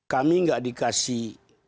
kami gak dikasih